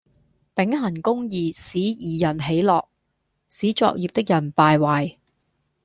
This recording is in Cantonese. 秉公行義使義人喜樂，使作孽的人敗壞